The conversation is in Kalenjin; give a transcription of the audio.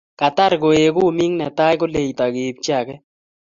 katar koe kumik ne tai koleito keipchi age